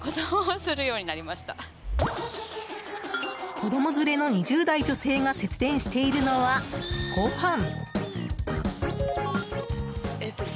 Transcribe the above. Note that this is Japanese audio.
子供連れの２０代女性が節電しているのは、ごはん。